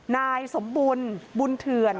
นายสมบุญบุญเถื่อน